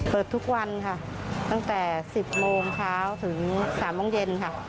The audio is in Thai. เปิดทุกวันค่ะตั้งแต่๑๐โมงเช้าถึง๓โมงเย็นค่ะ